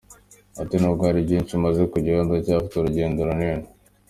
Ati “Nubwo hari byinshi maze kugeraho ndacyafite urugendo runini.